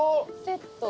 セット。